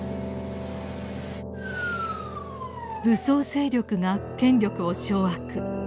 武装勢力が権力を掌握。